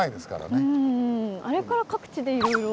あれから各地でいろいろ。